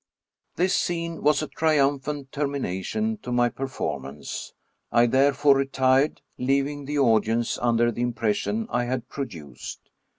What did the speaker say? This scene was a triumphant termination to my perform ance. I therefore retired, leaving the audience under the impression I had produced.